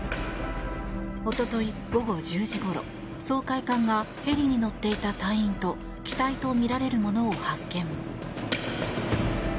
一昨日午後１０時ごろ掃海艦がヘリに乗っていた隊員と機体とみられるものを発見。